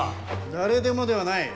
誰でもではない。